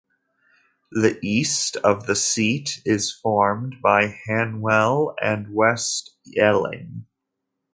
The east of the seat is formed by Hanwell and West Ealing.